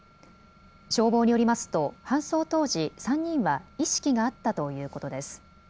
消防によりますと、搬送当時、３人は意識があったということです。